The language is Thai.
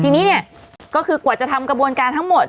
ทีนี้เนี่ยก็คือกว่าจะทำกระบวนการทั้งหมด